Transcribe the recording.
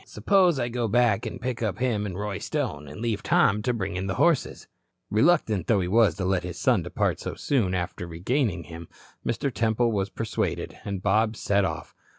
Suppose I go back and pick up him and Roy Stone, and leave Tom to bring in the horses?" Reluctant though he was to let his son depart so soon after regaining him, Mr. Temple was persuaded, and Bob set off.